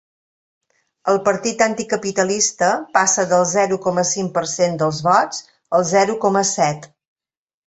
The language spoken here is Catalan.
El partit anticapitalista passa del zero coma cinc per cent dels vots al zero coma set.